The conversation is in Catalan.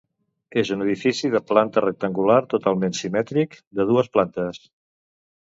És un edifici de planta rectangular totalment simètric, de dues plantes.